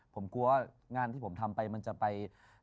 ผมกลัวงานที่ผมทำไปมันจะไป